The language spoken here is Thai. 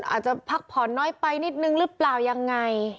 อาจจะพักผ่อนน้อยไปนิดนึงหรือเปล่ายังไง